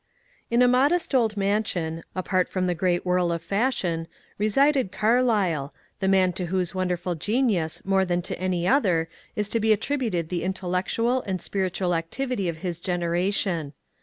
In a modest old mansioD, apart from the great whirl of fash ion, resided Carlyle, the man to whose wonderful genius more than to any other is to be attributed the intellectual and spiritual activity of his generation.